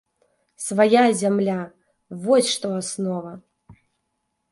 Свая зямля – вось што аснова!